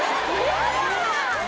やだ！